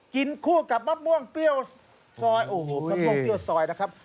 กินคู่กับมะม่วงเปรี้ยวซอยโอ้โหมะม่วงเปรี้ยวซอยนะครับ